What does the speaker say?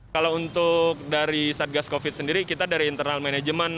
kalau untuk dari satgas covid sendiri kita dari internal manajemen